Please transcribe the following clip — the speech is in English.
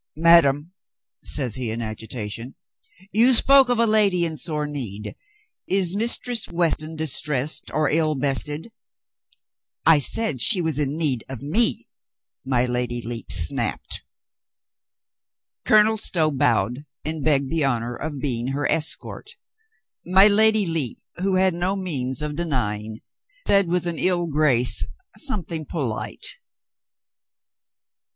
"Ma dame," says he in agitation, "you spoke of a lady in sore need. Is Mistress Weston distressed or ill bested?" "I said she was in need of me," my Lady Lepe snapped. Colonel Stow bowed and begged the honor of being her escort. My Lady Lepe, who had no means of denying, said with an ill grace something polite.